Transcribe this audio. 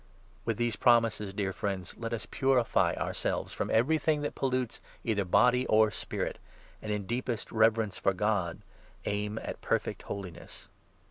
With these promises, dear friends, let us purify ourselves from I everything that pollutes either body or spirit, and, in deepest reverence for God, aim at perfect holiness.